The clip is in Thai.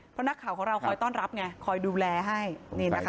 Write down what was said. เพราะนักข่าวของเราคอยต้อนรับไงคอยดูแลให้นี่นะคะ